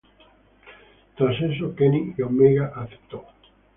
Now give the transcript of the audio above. Tras esto, Kenny Omega aceptó.